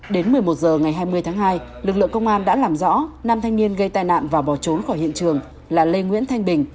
đến một mươi một h ngày hai mươi tháng hai lực lượng công an đã làm rõ năm thanh niên gây tai nạn và bỏ trốn khỏi hiện trường là lê nguyễn thanh bình